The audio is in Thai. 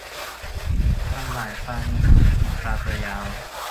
ปลาไหล ปลาหลด เป็นปลาตัวยาว